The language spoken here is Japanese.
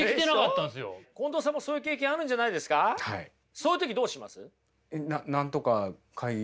そういう時どうします？